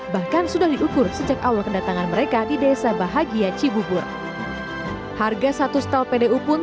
bahkan sudah diukur sejak awal kedatangan mereka di desa bahagia cibubur harga satu stel pdu pun